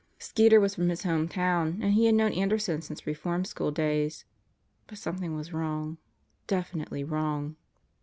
Skeeter was from his home town and he had known Anderson since re form school days. But something was wrong. Definitely wrong.